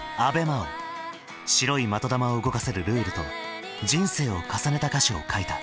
白い的球を動かせるルールと人生を重ねた歌詞を書いた。